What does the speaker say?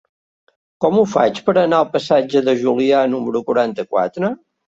Com ho faig per anar al passatge de Julià número quaranta-quatre?